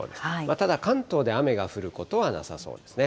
ただ関東で雨が降ることはなさそうですね。